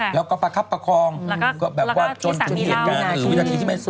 แล้วก็ประคับประคองจนทุกอย่างหนาเวลาที่ที่แม่น